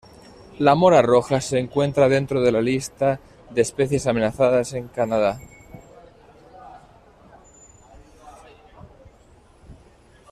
La mora roja se encuentra dentro de la lista de especies amenazadas en Canadá.